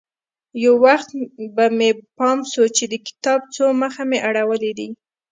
يو وخت به مې پام سو چې د کتاب څو مخه مې اړولي دي.